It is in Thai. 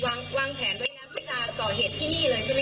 วางวางแผนโดยน้ำภูมิสาเกาะเห็ดที่นี่เลยใช่มั้ย